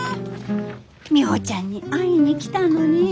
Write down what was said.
ミホちゃんに会いに来たのに。